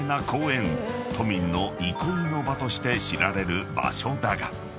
［都民の憩いの場として知られる場所だが］